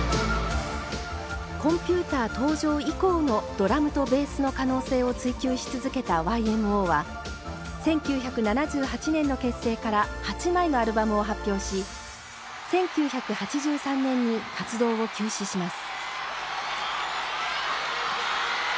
コンピューター登場以降もドラムとベースの可能性を追求し続けたＹＭＯは１９７８年の結成から８枚のアルバムを発表し１９８３年に活動を休止します。